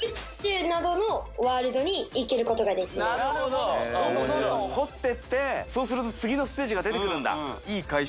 どんどんどんどん掘っていってそうすると次のステージが出てくるんだ。